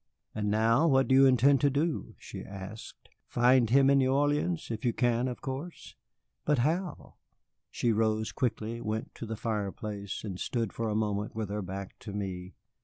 "And now what do you intend to do?" she asked. "Find him in New Orleans, if you can, of course. But how?" She rose quickly, went to the fireplace, and stood for a moment with her back to me.